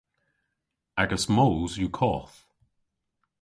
Agas moos yw koth.